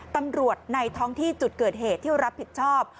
ในท้องที่จุดเกิดเหตุที่รับผิดชอบ